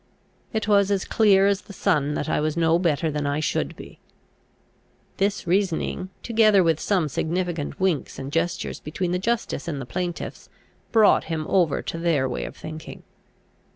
It was as clear as the sun that I was no better than I should be. This reasoning, together with some significant winks and gestures between the justice and the plaintiffs, brought him over to their way of thinking.